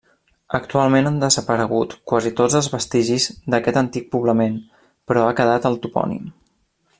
Actualment han desaparegut quasi tots els vestigis d'aquest antic poblament, però ha quedat el topònim.